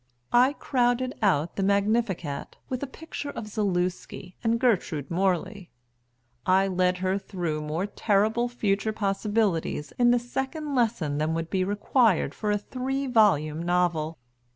I crowded out the Magnificat with a picture of Zaluski and Gertrude Morley. I led her through more terrible future possibilities in the second lesson than would be required for a three volume novel.